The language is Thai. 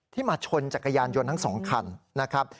มาชนจักรยานยนต์ทั้ง๒คันนะครับ